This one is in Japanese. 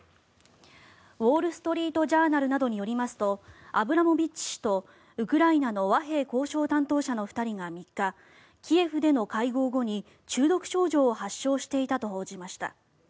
ウォール・ストリート・ジャーナルなどによりますとアブラモビッチ氏とウクライナの和平交渉担当者の２人が３日キエフでの会合後に中毒症状を発症していたと報じました。